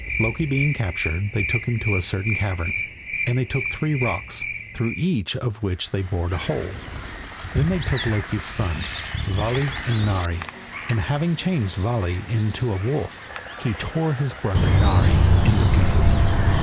Loki being captured, they took him to a certain cavern, and they took three rocks, through each of which they bored a hole. Then they took Loki's sons Vali and Nari, and having changed Vali into a wolf, he tore his brother Nari into pieces.